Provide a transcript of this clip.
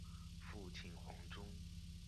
父亲黄中。